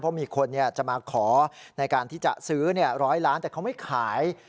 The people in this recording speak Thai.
เพราะมีคนจะมาขอในการที่จะซื้อ๑๐๐ล้านแต่เขาไม่ขาย